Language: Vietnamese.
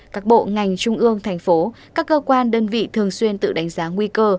các bộ ngành trung ương thành phố các cơ quan đơn vị thường xuyên tự đánh giá nguy cơ